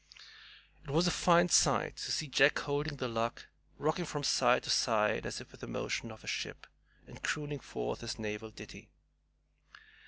It was a fine sight to see Jack holding The Luck, rocking from side to side as if with the motion of a ship, and crooning forth this naval ditty.